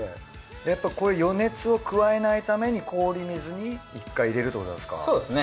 やっぱこれ余熱を加えないために氷水に１回入れるってことですか。